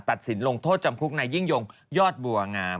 สินลงโทษจำคุกนายยิ่งยงยอดบัวงาม